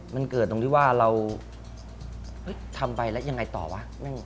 มันเกิดตรงที่ว่าเราทำไปแล้วยังไงต่อวะ